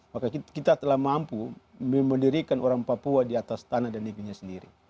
maka kita telah mampu mendirikan orang papua di atas tanah dan negerinya sendiri